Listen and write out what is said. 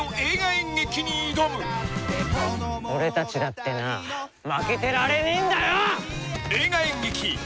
演劇に挑む俺たちだってな負けてられねえんだよ！